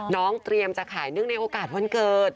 เตรียมจะขายเนื่องในโอกาสวันเกิด